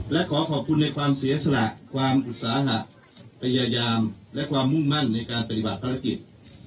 และขอขอบคุณในความเสียสละความอุตสาหะพยายามและความมุ่งมั่นในการปฏิบัติภารกิจ